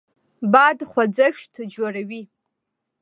باد خوځښت جوړوي.